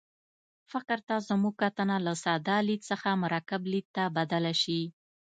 فقر ته زموږ کتنه له ساده لید څخه مرکب لید ته بدله شي.